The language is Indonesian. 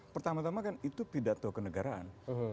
pertama tama kan itu pidato kenegaraan